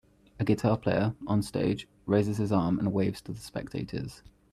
A guitar player, on stage, raises his arm and waves to the spectators.